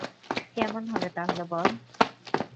কেমন হবে তাহলে বল?